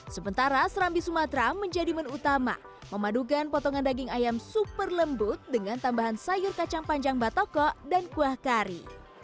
sementara serambi sumatera menjadi menu utama memadukan potongan daging ayam super lembut dengan tambahan sayur kacang panjang batoko dan kuah kari